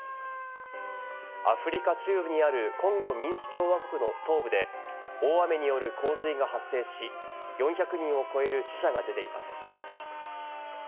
アフリカ中部にあるコンゴ民主共和国の東部で大雨による洪水が発生し、４００人を超える死者が出ています。